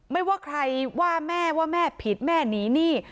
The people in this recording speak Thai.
ไม่ว่าใครว่าแม่ว่าแม่ผิดแม่หนีหนี้